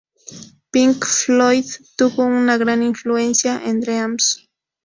Pink Floyd tuvo una gran influencia en "Dreams".